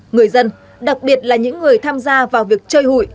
người dân đặc biệt là những người tham gia vào việc chơi hụi